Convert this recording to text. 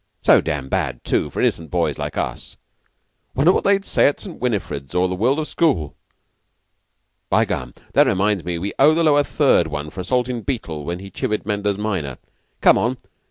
"So dam' bad, too, for innocent boys like us! Wonder what they'd say at 'St. Winifred's, or the World of School.' By gum! That reminds me we owe the Lower Third one for assaultin' Beetle when he chivied Manders minor. Come on!